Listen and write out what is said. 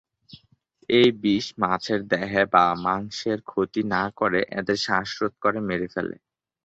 এই বিষ মাছের দেহের বা মাংসের ক্ষতি না করে এদের শ্বাসরোধ করে মেরে ফেলে।